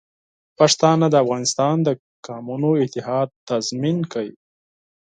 پښتانه د افغانستان د قومونو اتحاد تضمین کوي.